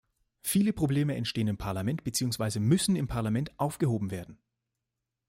Viele Probleme entstehen im Parlament beziehungsweise müssen im Parlament aufgehoben werden.